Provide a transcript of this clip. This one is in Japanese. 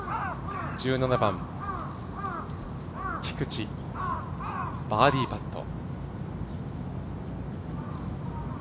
１７番、菊地、バーディーパット。